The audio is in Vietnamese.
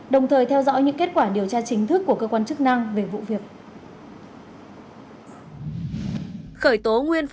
đồng thời theo dõi những kết quả điều tra chính thức của cơ quan chức năng về vụ việc